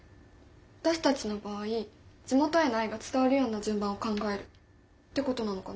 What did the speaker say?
私たちの場合地元への愛が伝わるような順番を考えるってことなのかな。